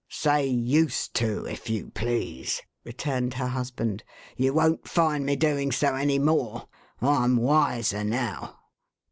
" Say used to, if you please," returned her husband. " You won't find me doing so any more. I'm wiser, now."